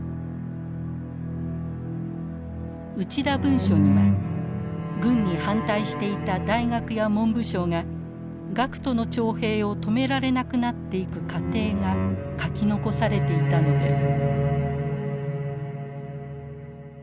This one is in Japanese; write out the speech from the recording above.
「内田文書」には軍に反対していた大学や文部省が学徒の徴兵を止められなくなっていく過程が書き残されていたのです。